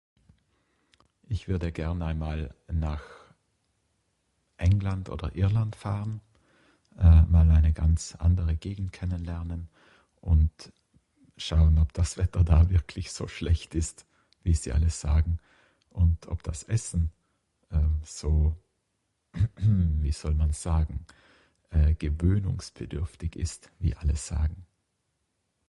Ich würde gern einmal nach England oder Irland fahren, eh mal eine ganz andere Gegend kennenlernen und mal schauen ob das Wetter da wirklich so schlecht ist wie Sie alle sagen. Und ob das Essen ehm so ehmehm wie soll mans sagen eh gewöhnungsbedürftig ist wie alle sagen.